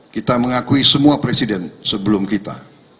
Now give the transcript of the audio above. kita mengakui semua presiden sebelum kita